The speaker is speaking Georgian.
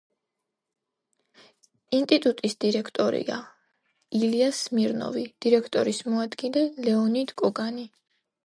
ინტიტუტის დირექტორია: ილია სმირნოვი; დირექტორის მოადგილე: ლეონიდ კოგანი.